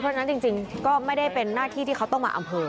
เพราะฉะนั้นจริงก็ไม่ได้เป็นหน้าที่ที่เขาต้องมาอำเภอ